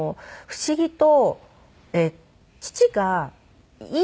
不思議と。